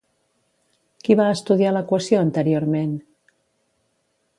Qui va estudiar l'equació anteriorment?